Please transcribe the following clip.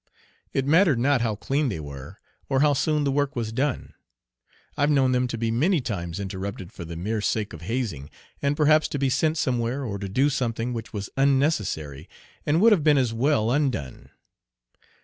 It mattered not how clean they were, or how soon the work was done. I've known them to be many times interrupted for the mere sake of hazing, and perhaps to be sent somewhere or to do something which was unnecessary and would have been as well undone.